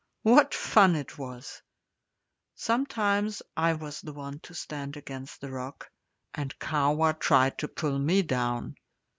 What fun it was! Sometimes I was the one to stand against the rock, and Kahwa tried to pull me down.